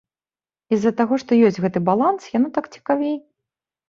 І з-за таго, што ёсць гэты баланс, яно так цікавей.